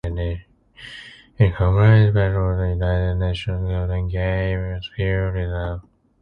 It comprises part of the United Nations' Golden Gate Biosphere Reserve.